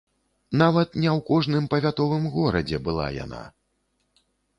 Нават не ў кожным павятовым горадзе была яна.